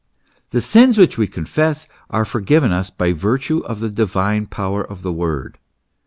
The sins which we confess are forgiven us by virtue of the divine power of the word.